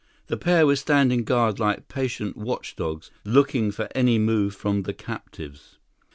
The pair were standing guard like patient watchdogs, looking for any move from the captives.